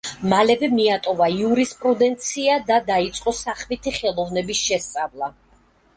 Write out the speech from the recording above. მალევე მიატოვა იურისპრუდენცია და დაიწყო სახვითი ხელოვნების შესწავლა.